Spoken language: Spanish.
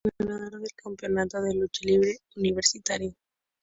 Lawrence y ganador del "Campeonato de Lucha Libre Universitario".